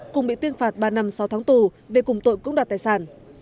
cùng bị tuyên phạt ba năm sáu tháng tù về cùng tội cưỡng đoạt tài sản